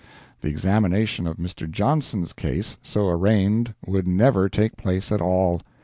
The examination of Mr. Johnson's case, so arraigned would never take place at all.